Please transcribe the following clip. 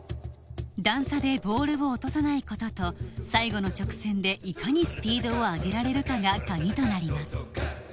段差でボールを落とさないことと最後の直線でいかにスピードをあげられるかがカギとなります